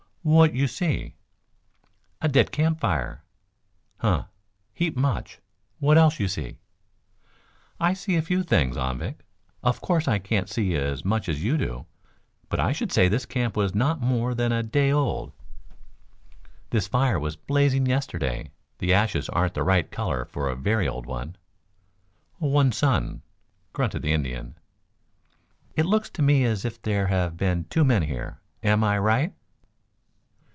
"What you see?" "A dead campfire." "Huh. Heap much. What else you see?" "I see a few things, Anvik. Of course I can't see as much as you do, but I should say this camp was not more than a day old. This fire was blazing yesterday. The ashes aren't the right color for a very old one." "One sun," grunted the Indian. "It looks to me as if there had been two men here. Am I right?"